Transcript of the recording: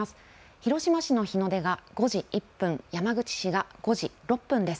広島市の日の出が５時１分山口市が５時６分です。